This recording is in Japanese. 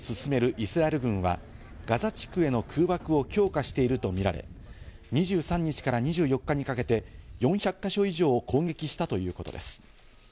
イスラエル軍はガザ地区への空爆を強化していると見られ、２３日から２４日にかけて４００か所以上を攻撃したということです。